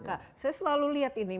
saya selalu lihat ini